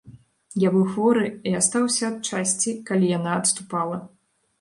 Я быў хворы і астаўся ад часці, калі яна адступала.